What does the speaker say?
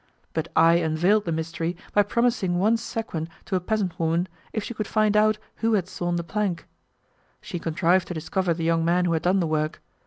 But I unveiled the mystery by promising one sequin to a peasant woman if she could find out who had sawn the plank. She contrived to discover the young man who had done the work.